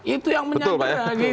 itu yang menyandera